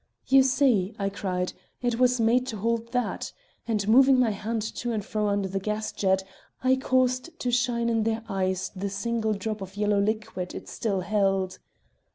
"'You see!' I cried, 'it was made to hold that!' And moving my hand to and fro under the gas jet, I caused to shine in their eyes the single drop of yellow liquid it still held.